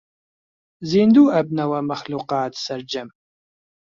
زیندوو ئەبنەوە مەخلووقات سەرجەم